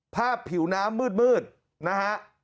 ผิวน้ำมืดนะฮะ